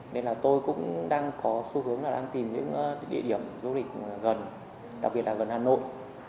nên là tôi cũng đang có xu hướng là đang tìm những địa điểm du lịch gần đặc biệt là gần hà nội